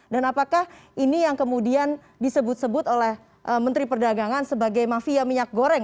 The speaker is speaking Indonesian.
dan apakah ini yang kemudian disebut sebut oleh menteri perdagangan sebagai mafia minyak goreng